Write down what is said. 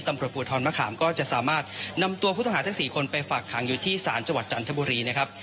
ตำรวจภูทรมะขามก็จะสามารถนำตัวผู้ต้องหาทั้ง๔คนไปฝากขังอยู่ที่ศาลจังหวัดจันทบุรีนะครับ